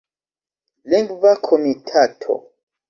Lingva Komitato.